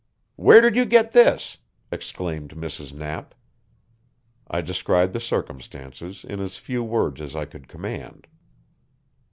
"Where did you get this?" exclaimed Mrs. Knapp. I described the circumstances in as few words as I could command.